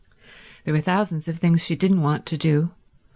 There were thousands of things she didn't want to do.